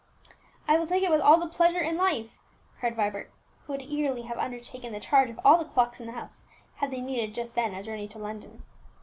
"I will take it with all the pleasure in life!" cried Vibert, who would eagerly have undertaken the charge of all the clocks in the house had they needed just then a journey to London.